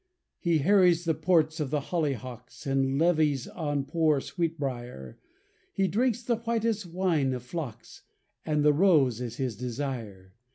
He harries the ports of the Hollyhocks, And levies on poor Sweetbrier; He drinks the whitest wine of Phlox, And the Rose is his desire.